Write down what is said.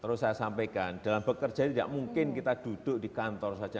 terus saya sampaikan dalam bekerja ini tidak mungkin kita duduk di kantor saja